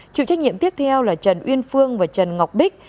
chịu trách nhiệm tiếp theo là trần uyên phương và trần ngọc bích